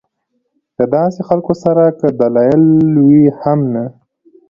د داسې خلکو سره کۀ دلائل وي هم نۀ